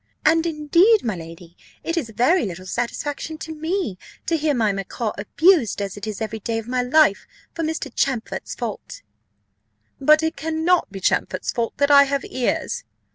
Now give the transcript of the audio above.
"And indeed, my lady, it is very little satisfaction to me, to hear my macaw abused as it is every day of my life, for Mr. Champfort's fault." "But it cannot be Champfort's fault that I have ears."